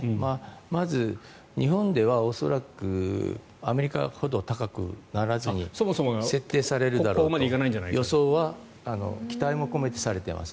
まず、日本では恐らくアメリカほど高くならずに設定されるだろうと予想は期待も込めてされています。